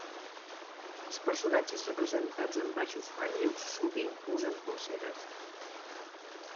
Els personatges representats en baixos relleus sovint usen polseres.